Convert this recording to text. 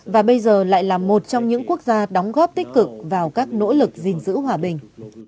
và bây giờ lại là một trong những quốc gia đóng góp tích cực vào các nỗ lực gìn giữ hòa bình